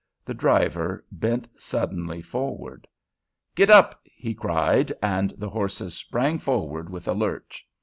The driver bent suddenly forward. "Gid ap!" he cried, and the horses sprang forward with a lurch.